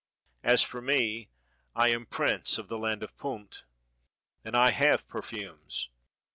As for me, I am prince of the land of Punt, and I have perfumes.